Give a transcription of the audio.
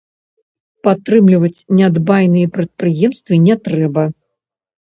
Падтрымліваць нядбайныя прадпрыемствы не трэба.